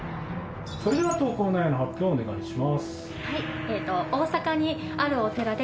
それでは投稿内容の発表をお願いします。